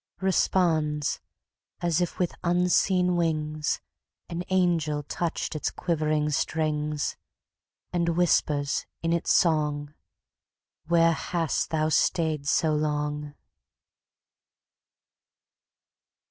Responds, as if with unseen wings, An angel touched its quivering strings; And whispers in its song, "Where hast thou stayed so long?"